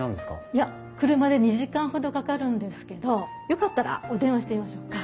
いや車で２時間ほどかかるんですけどよかったらお電話してみましょうか？